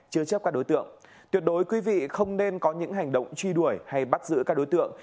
chứa chấp các đối tượng tuyệt đối quý vị không nên có những hành động truy đuổi hay bắt giữ các đối tượng